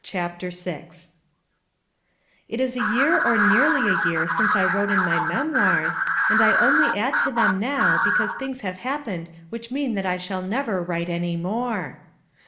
CHAPTER VI It is a year or nearly a year since I wrote in my memoirs, and I only add to them now because things have happened which mean that I shall never write any more.